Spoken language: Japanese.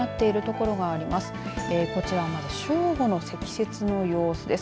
こちらはまず正午の積雪の様子です。